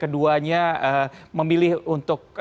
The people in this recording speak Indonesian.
keduanya memilih untuk